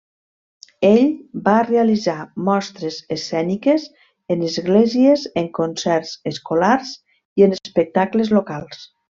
Ell va realitzar mostres escèniques en esglésies, en concerts escolars i en espectacles locals.